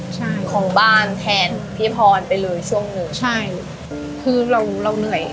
ใช่ของบ้านแทนพี่พรไปเลยช่วงหนึ่งใช่คือเราเราเหนื่อย